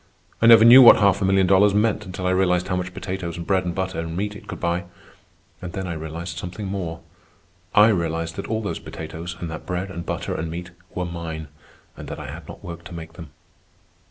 I never knew what half a million dollars meant until I realized how much potatoes and bread and butter and meat it could buy. And then I realized something more. I realized that all those potatoes and that bread and butter and meat were mine, and that I had not worked to make them.